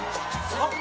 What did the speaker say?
あっ！